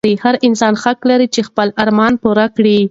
هر انسان حق لري چې خپل ارمانونه پوره کړي.